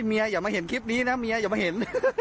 อย่ามาเห็นคลิปนี้นะเมียอย่ามาเห็น